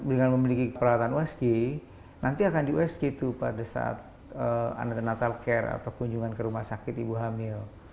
dengan memiliki peralatan usg nanti akan di usg pada saat anak anak natal care atau kunjungan ke rumah sakit ibu hamil